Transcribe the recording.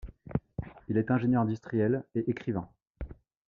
Il est ingénieur industriel et écrivain.